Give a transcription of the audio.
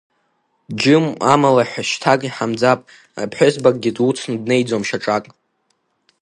Џьым, амалаҳәа, шьҭак иҳамӡап, ԥҳәызбакгьы дуцны днеиӡом шьаҿак.